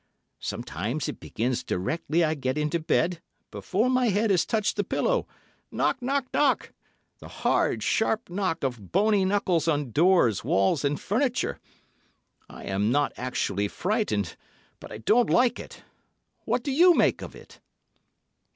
Sometimes it begins directly I get into bed, before my head has touched the pillow. Knock, knock, knock!—the hard, sharp knock of bony knuckles on door, walls and furniture. I am not actually frightened, but I don't like it. What do you make of it?"